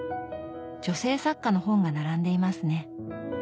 女性作家の本が並んでいますね。